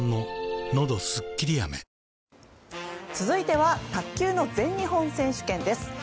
続いては卓球の全日本選手権です。